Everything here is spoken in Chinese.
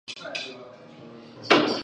莱拉克。